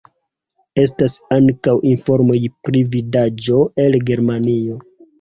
Estas ankaŭ informoj pri vidaĵo el Germanio.